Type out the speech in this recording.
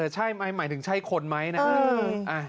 ใช่มั้ยหมายถึงใช่คนมั้ยนะอืม